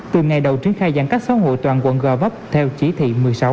từ ngày đầu triển khai giãn cách xã hội toàn quận gò vấp theo chỉ thị một mươi sáu